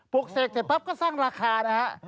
เสกเสร็จปั๊บก็สร้างราคานะฮะ